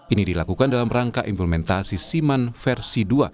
ini dilakukan dalam rangka implementasi siman versi dua